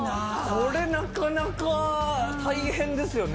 これなかなか大変ですよね。